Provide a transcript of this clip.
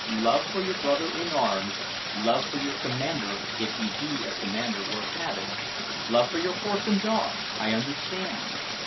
"Love for your brother in arms, love for your commander if he be a commander worth having, love for your horse and dog, I understand.